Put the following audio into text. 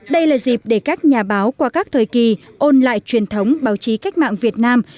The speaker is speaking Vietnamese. đây là dịp để các nhà báo qua các thời kỳ ôn lại truyền thống báo chí cách mạng việt nam